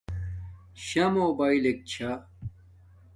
شا موباݵلک چھا بے